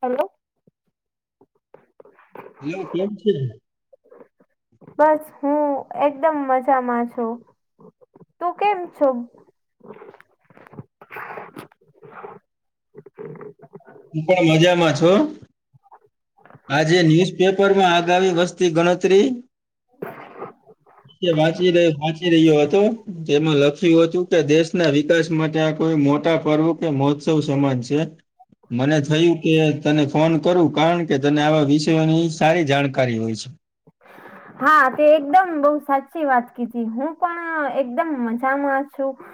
હાલો. Hello કેમ છે? બસ હું એકદમ મજામાં છું તું કેમ છો? હું પણ મજામાં છું. આજે ન્યુઝપેપરમાં આગામી વસ્તી ગણતરી વાંચીર વાંચી રહ્યો હતો તેમાં લખ્યું હતું કે દેશના વિકાસ માટે આ કોઈ મોટા પર્વ કે મહોત્સવ સમાન છે. મને થયું કે તને ફોન કરું કારણ કે તને આવા વિષયોની સારી જાણકારી હોય છે. હા તે એકદમ બોવ સાચી વાત કીધી હું પણ એકદમ મજામાં છું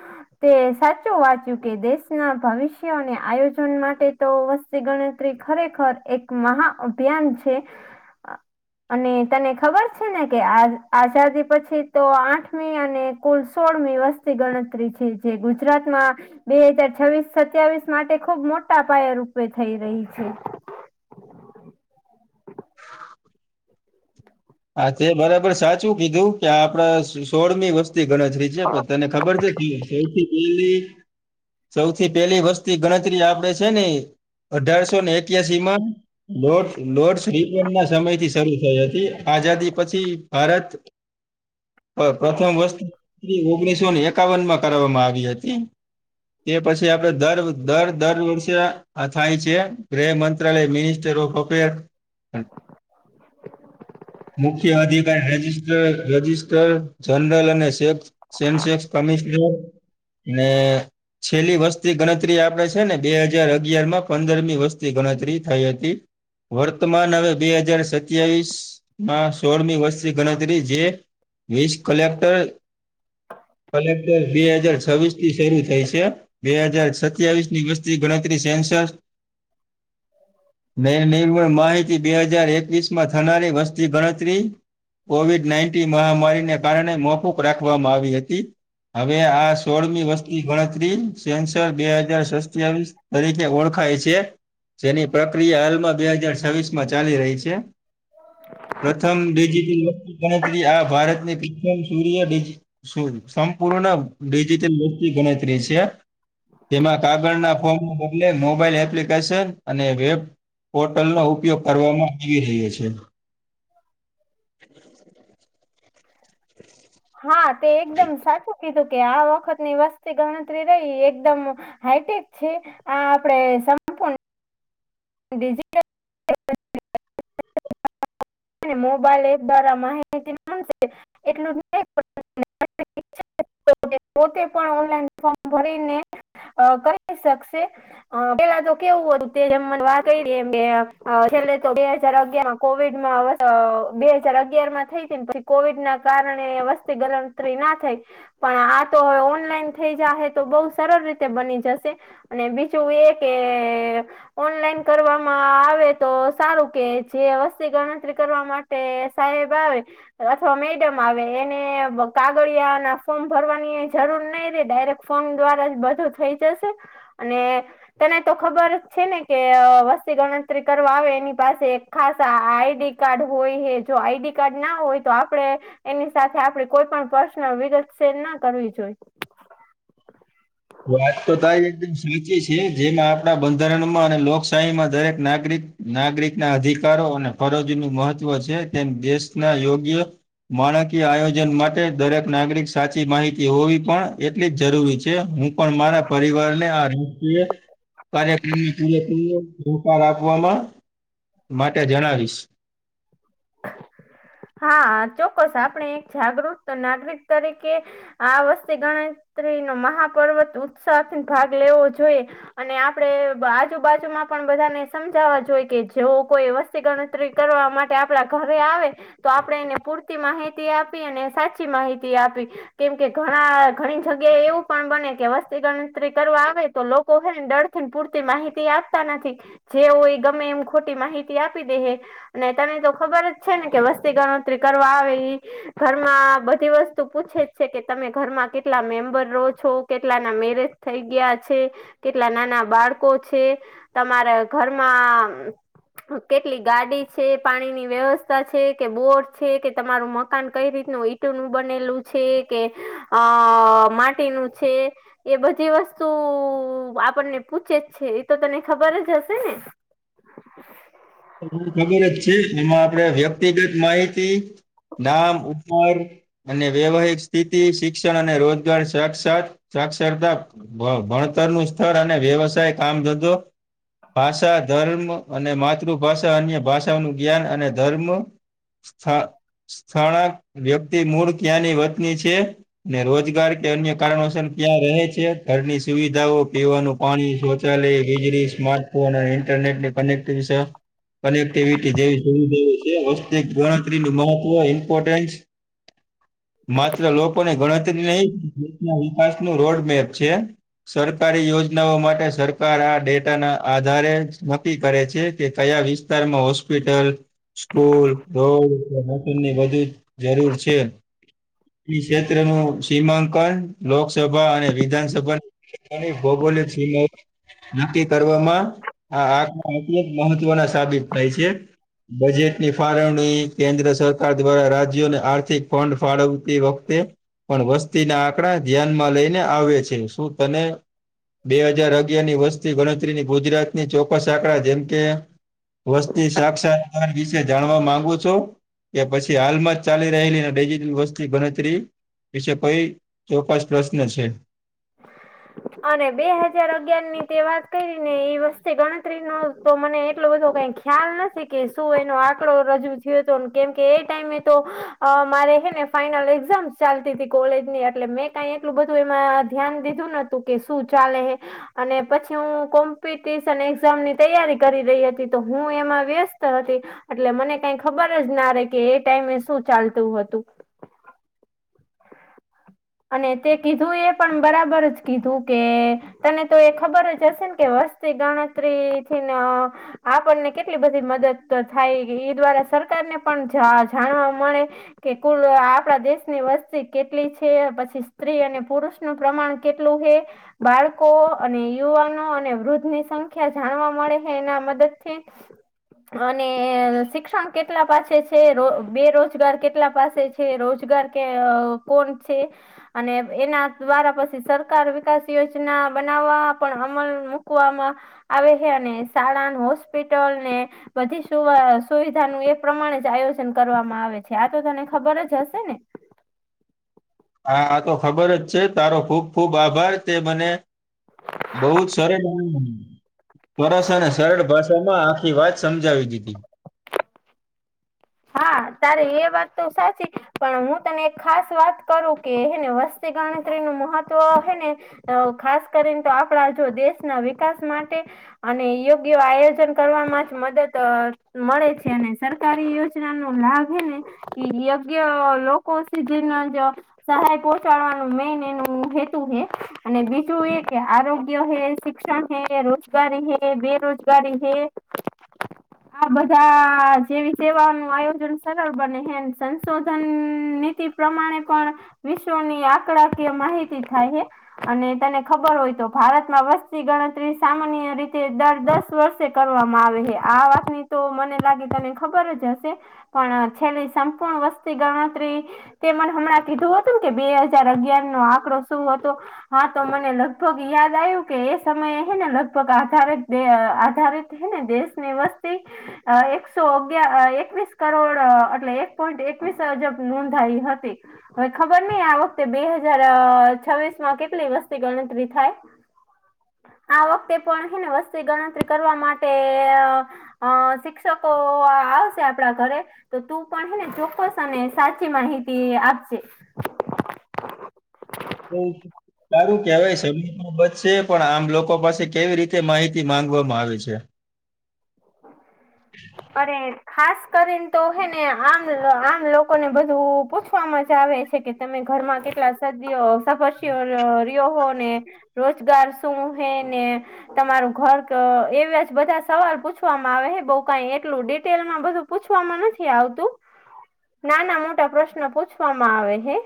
તે સાચું વાંચ્યું કે દેશના ભવિષ્યને આયોજન માટે તો વસ્તી ગણતરી ખરેખર એક મહા અભિયાન છે. અને તને ખબર છે, ને કે આ આઝાદી પછી તો આઠમી અને કુલ સોળમી વસ તી ગણતરી છે છે, ગુજરાતમાં બે હજાર છવ્વીસ સત્યાવીસ માટે ખુબ મોટા પાયે રૂપે થઈ રહી છે. હા, તે બરાબર સાચું કીધું કે, આપણે સોળમી વસ વસ્તી ગણતરી છે, પણ તને ખબર છે, સૌથી પહેલી સૌથી પેલી વસ્તી ગણતરી આપણે છે ને. અઢારસો ને, એક્યાસી માં લો લોટસ રિપ ના સમય થી શરૂ થઈ હતી. આઝાદી પછી ભારત પ્રથમ વસ્ત ઓગણીસો ને, એકાવન માં કરવામાં આવી હતી. એ પછી આપડે દર દર દર વર્ષે આ થાય છે, ગૃહ મંત્રાલય મિનિસ્ટર ઓફ અફેર મુખ્ય અધિકારી રજિસ્ટ્રર જનરલ અને સે સેન્સેક્સ કમિશનર ને છેલ્લી વસ્તી ગણતરી આપે છે ને, બે હજાર અગિયાર માં પંદરમી વસ્તી ગણતરી થઈ હતી. વર્તમાન હવે બે હજાર સત્યાવીસ. સોળમી વર્ષથી ગણતરી જે વીસ કલેક્ટર હા. કલેક્ટર બે હજાર છવ્વીસ થી શરૂ થાય છે. બે હજાર સત્યાવીસ ની વસ્તી ગણતરી સેન્સર નેણ નિર્મણ માહિતી બે હજાર એકવીસ માં થનારી વસ્તી ગણતરી. કોવિડ નાઇન્ટીન મહામારીને કારણે મોફૂક રાખવામાં આવી હતી. હવે આ સોળમી વસ્તી ગણતરી સેન્સર બે હાજાર સત્યાવીસ તરીકે ઓળખાય છે, જેની પ્રક્રિયા હાલમાં બે હાજાર છવ્વીસ માં ચાલી રહી છે. હ. પ્રથમ ડિજિટલ ગણતરી આ ભારતની પ્રથમ સૂર્ય શું સંપૂર્ણ ડિજિટલ વસ્તી ગણતરી રહી છે? તેમાં કાગળના ફોર્મ બદલે મોબાઈલ એપ્લિકેશન અને વેબ પોર્ટલ નો ઉપયોગ કરવામાં આવી રહ્યો છે. [unintelligible] હા, તે એકદમ સાચું કીધું કે, આ વખતની વસ્તી ગણતરી રહી એકદમ. હાઈટેક છે, આ આપડે સમ ડિજિટલ. મોબાઈલ એપ દ્વારા માહિતી મળશે એટલું જ. પોતે પણ ઓનલાઈન ફોર્મ ભરીને કરી શકશે. પેલા તો કેવું હતું, તે જેમ મને વાત કરી બે હજાર અગિયારમાં કોવિડમાં અ બે હજાર અગિયાર માં થઈ હતી ને, પછી કોવિડ ના કારણે વસ્તી ગણતરી ના થઈ. પણ આ તો હવે ઓનલાઈન થઈ જશે, તો બહુ સરળ રીતે બની જશે. અને બીજું એ કે ઓનલાઈન કરવામાં આવે તો, સારું કે જે વસ્તીકણ કરવા માટે સાહેબ આવે. અથવા મેડમ આવે, એને કાગળિયા ના ફોર્મ ભરવાની જરૂર નહી રે ડાયરેક્ટ. ફોન દ્વારા જ બધો થઈ જશે, અને તને તો ખબર છે ને, કે વસ્તી ગણતરી કરવા આવે, એની પાસે એક ખાસ આઈડી કાર્ડ હોય, હ જો આઈડી કાર્ડ ના હોય તો આપડે એની સાથે આપડે કોઈ પણ પર્શનલ વિગત શેર ના કરવી જોઈ. વાત તો તારી એકદમ સાચી છે, જેમાં આપણા બંધારણમાં અને લોકશાહીમાં દરેક નાગરિક નાગરિક ના અધિકારો અને ફરજ નું મહત્વ છે, તેમ દેશના યોગ્ય માણાકીય આયોજન માટે દરેક નાગરિક સાચી માહિતી હોવી, પણ એટલી જ જરૂરી છે હું. પણ મારા પરિવારને આ રષુએ કાર્યક્રમ હતી આપવામાં. માટે જણાવીશ. હા ચોક્કસ, આપણે એક જાગૃત નાગરિક તરીકે આ વસ્તે ગણતરી નો મહાપર્વત ઉત્સાહથી ભાગ લેવો જોઈએ. અને આપડે આજુબાજુમાં પણ બધાને સમજાવા જોઈ કે, જેવો કોઈ વસ્તુ ગણતરી કરવા માટે આપ આપણા ઘરે આવે તો, આપણેે એને પૂરતી માહિતી આપી અને સાચી માહિતી આપી. કેમ કે ઘણા ઘણી જગ્યા એવું પણ બને કે, વસ્તી ગણતરી કરવા આવે તો લોકો. કોહ દળ ને પૂરતી માહિતી આપતા નથી. જેવું એ ગમે એમ ખોટી માહિતી આપી દે, હ અને તમે તો ખબર જ છે ને કે, વસ્તી ગણતરી કરવા આવે એ ઘરમાં બધી વસ્તુ પૂછે જ છે કે, તમે ઘરમાં કેટલા મેમ્બર રહો છો કેટલા ના મેરેજ. થઈ ગયા છે, કેટલા નાના બાળકો છે. તમારે ઘરમાં કેટલી ગાડી છે, પાણીની વ્યવસ્થા છે કે, બોટ છે કે, તમારું મકાન કઈ રીતનું ઈટું નું બનેલું છે કે. અ માટીનું છે. એ બધી વસ્તુ આપણને પૂછે જ છે, એ તો તને ખબર જ હશે ને. ને ખબર જ છે, એમાં આપણેે વ્યક્તિગત માહિતી નાામ ઉપર અને વૈવહિક સ્થિતિ શિક્ષણ અને રોજગાર સા સાક્ષરતા ભણતર નું સ્તર અને વ્યવસાય કામ ધંધો. ભાષા ધર્મ અને માતૃભાષા અન્ય ભાષાઓનું જ્ઞાન અને ધર્મ સ્થણાક વ્યક્તિ મૂળ ક્યાંની વતની છે? ને રોજગાર કે અન્ય કારણોસર ક્યાં રહે છે, ઘરની સુવિધાઓ પીવાનું. પાણી શૌચાલય વીજળી સ્માર્ટફોન અને ઇન્ટરનેટની કનેક્ટિવિટી. કનેક્ટિવિટી જેવી સુવિધાઓ છે, ગણતરી નું મહત્વ ઇમ્પોર્ટન્સ. માત્ર લોકોને ગણતરી નહી, દેશના વિકાસ નું રોડ મેપ છે. સરકારી યોજનાઓ માટે સરકાર આ ડેટા ના આધારે નક્કી કરે છે. કે કયા વિસ્તારમાં હોસ્પિટલ. સ્કૂલ રોડ મશીન ની બધી જ જરૂર છે. ક્ષેત્ર નું સીમાંકન લોકસભા અને વિધાનસભા ની ભૌગોલિક સીમાઓ નક્કી કરવામાં આ આંખ મહત્વના સાબિત થાય છે. બજેટની ફાળવણી કેન્દ્ર સરકાર દ્વારા રાજ્યોને આર્થિક ફંડ ફાળવતી વખતે પણ વસ્તી ના આંકડા ધ્યાનમાં લઈને આવે છે. શું તને? બે હજાર અગિયાર ની વર્ષતી ગણતરીની ગુજરાત ની ચોક્કસ આંકડા જેમ કે વસ્તી સાક્ષા વિશે જાણવા માંગુ છો? કે પછી હાલમાં જ ચાલી રહેલી ડિજટ વસ્તી ગણતરી. વિશે કઈ ચોકસ પ્રશ્ન છે? [inaudible] અને બે હાજાર અગયાર ની તે વાત કરી ને, એ વસ્તી ગણતરી નો તો મને એટલો બધો કઈક ખ્યાલ નથી કે શું? એનો આંકડો રજૂ થયો હતો, કેમ કે એ ટાઈમે તો અ મારે હે ને ફાઈનલ એક્ઝામ્સ ચાલતી હતી કોલેજની એટલે મેં કાઈ એટલું બધું એમાં ધ્યાન દીધું નતું કે શું ચાલે હે, અને પછી હું કોમ્પિટશન એક્ઝામની તૈયારી કરી રહી હતી. તો હું એમાં વ્યસ્ત હતી. એટલે મને કઈ ખબર જ ના રે કે એ ટાઈમે શું ચાલતું હતું. અને તે કીધું એ પણ બરાબર જ કીધું કે તને તો એ ખબર જ હશે ને કે વસ્તી ગણતરી થીને, આપણને કેટલી બધી મદદ થાય એ દ્વારા સરકાર ને પણ જાણવા મળે. કે કુલ આપણા દેશની વસ્તી કેટલી છે. છે પછી સ્ત્રી અને પુરુષ નું પ્રમાણ કેટલું હે. બાળકો અને યુવાનો અને વૃદ્ધ ની સંખ્યા જાણવા મળે છે. એના મદદથી, [inaudible] અને શિક્ષણ કેટલા પાસે છે. બેરોજગાર કેટલા પાસે છે. છે રોજગાર કે કોણ છે. અને એના દ્વારા પછી સરકાર વિકાસ યોજના બનાવવા પણ અમલ મૂકવામાં આવે હે. અને શાળાન હોસ્પિટલ ને, બધી સુવિધા નું એ પ્રમાણે જ આયોજન કરવામાં આવે છે. આ તો તને ખબર જ હશે ને, હા તો ખબર જ છે. તારો ખૂબ ખુબ આભાર તે મને, બઉ જ સરળોરા સરસ અને સરળ ભાષામાં આખી વાત સમજાવી દીધી. હા તારે એ વાત તો સાચી પણ હું તને એક ખાસ વાત કરું કે હેને વસ્ત તિ ગણતરી નું મહત્વ હ ને, ખાસ કરીને તો આપડા જો દેશના વિકાસ માટે અને યોગ્ય આયોજન કરવાવામાં જ મદદ મળે છે. અને સરકારી યોજ નો લાભહે ને કે યોગ્ય લોકો સધીના જ સહાય પહોચાડવાનું મેન એનું હેતુ હ. અને બીજું એ કે આરોગ્ય હે શિક્ષણ હૈ રોજગારી હૈ. બેરોજગારી હૈ. આ બધા જેવી સેવાનું આયોજન સરળ બને છે. સંશોધન નીતિ પ્રમાણે પણ વિશ્વની આંકડાકીય માહિતી થાય હે. અને તને ખબર હોય તો ભારતમાં વસ્તી ગણતરી સામાન્ય રીતે દર દસ વર્ષ કરવામાં આવે હ આ વાતની તો મને લાગે તને ખબર જ હશે. પણ છેલ્લી સંપૂર્ણ વસ્તી ગણતરી, તે મને હમણાં કીધું હતું કે બે હાજાર અગિયાર નો આંકડો શું હતો. હા તો મને લગભગ યાદ આવ્યું કે એ સમયે હ ને લગભગ આધારિત આધારિત, ને દેશ ની વસ્તી એકસો અગયાર એકવીસ, કરોડ એટલે એક પોઈન્ટ એકવીસ અજબ નોંધાઈ હતી. હવે ખબર નઈ આ વખતે બે હજાર છવ્વીસ માં કેટલી વસ્તી ગણતરી થાય. આ વખતે પણ હેને વસ્તી ગણતરી કરવા માટે, અ શિક્ષકો આવશે. આપડા ઘરે તો તું પણ હેને ચોક્કસ અને સાચી માહિતી આપશે. બ છે. [unintelligible] સારું કેવાય સમાં બચશે પણ આમ લોકો પાસે કેવી રીતે માહિતી માંગવામાં આવે છે. અરે ખાસ કરીને તો હેને આમ આમ લોકો ને બધું પૂછવામાં જ આવે છે. કે તમે ઘરમાં કેટલા સદીઓ સભસીઓ રિ્યો હો ને. રોજગાર શું હે ને તમારું ઘર એવા જ બધા સવાલ પૂછ. પછવામાં આવે બઉ કઈ એટલું ડિટેલમાં બધું પૂછવામાં નથી આવતું. નાના મોટા પ્રશ્નો પૂછવામાં આવે હે.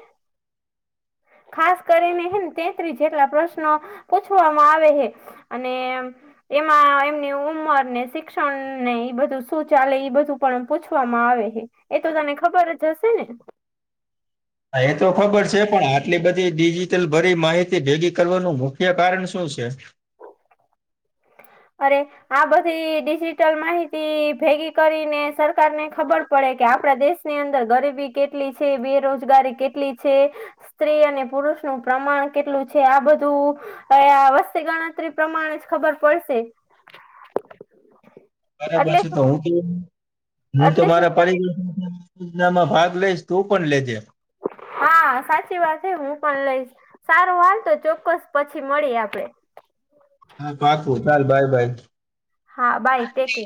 ખાસ કરીને હ તેત્રીસ જેટલા પ્રશ્નો પૂછવામાં આવે છે. અને એમાં એમની ઉંમર ને શિક્ષણને એ બધું શું ચાલે બધું પણ પૂછવામાં આવે છે, એ તો તને ખબર જ હશે ને. એ તો ખબર છે પણ, આટલી બધી ડિજિટલ ભરી માહિતી ભેગી કરવાનું મુખ્ય કારણ શું છે? અરે. આ બધી ડિજીિટલ માહિતી ભેગી કરીને સરકાર ને ખબર પડે કે આપડા દેશ ની અંદર ગરીબી કેટલી છે? બેરોજગારી કેટલી છે? સ્ત્રી અને પુરુષ નું પ્રમાણ કેટલું છે? આ બધું અ આ વસ્તી ગણતરી પ્રમાણે જ ખબર પડશે. [unintelligible] એટલે શું એટલે શું નામાં ભાગ લઈશ તું પણ, લેજે. હા, સાચી વાત હે, હું પણ લઈશ. સારું હાલ તો ચોક્કસ પછી મળી આપડે. હા, પાકવું ચાલ બાય બાય. હા, બાઈ તે કે